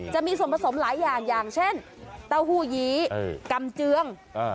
จะมีส่วนผสมหลายอย่างอย่างเช่นเต้าหู้ยีกำเจือง